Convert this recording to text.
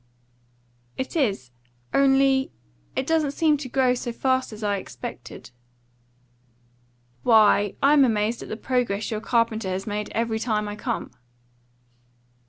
"It is. Only it doesn't seem to grow so fast as I expected." "Why, I'm amazed at the progress your carpenter has made every time I come."